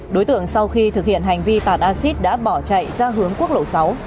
đối tượng sau khi thực hiện hành vi tàn acid đã bỏ chạy ra hướng quốc lộ sáu